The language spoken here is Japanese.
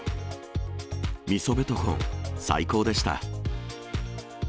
みそベトコン、最高でした。